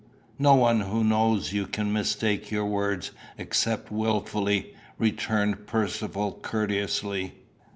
"No one who knows you can mistake your words, except wilfully," returned Percivale courteously.